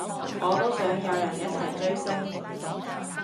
我都想有人一齊追星